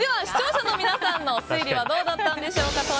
視聴者の皆さんの推理はどうだったんでしょうか。